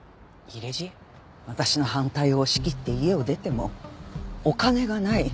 私の反対を押し切って家を出てもお金がない。